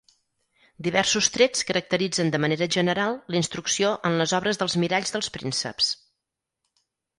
Diversos trets caracteritzen de manera general la instrucció en les obres dels miralls dels prínceps.